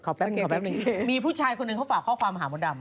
ขอแป๊บหนึ่งมีผู้ชายคนหนึ่งเขาฝากข้อความหาหมดดำ